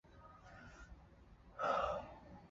他还在奥地利制作葡萄酒。